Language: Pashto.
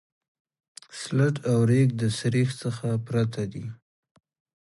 سلټ او ریګ د سریښ څخه پرته دي